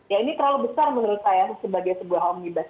ya ini terlalu besar menurut saya sebagai sebuah omnibus